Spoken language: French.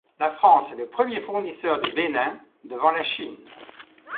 La France est le premier fournisseur du Bénin, devant la Chine.